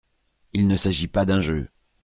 Il ne s’agit pas d’un jeu.